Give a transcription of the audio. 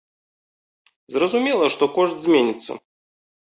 Зразумела, што кошт зменіцца.